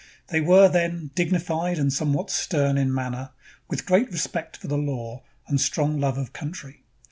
They were, then, dignified and somewhat stern in man ner, with great respect for the law and strong love of country.